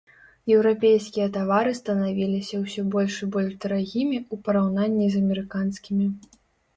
Еўрапейскія тавары станавіліся ўсё больш і больш дарагімі ў параўнанні з амерыканскімі.